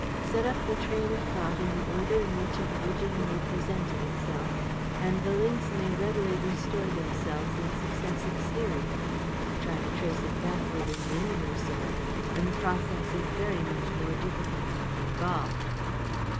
Set up the train of thought in the order in which it originally presented itself, and the links may readily restore themselves in successive series. Try to trace it backward in the inverse order, and the process is very much more difficult and involved.